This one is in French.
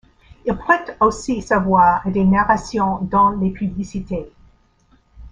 Il prête aussi sa voix à des narrations dans des publicités.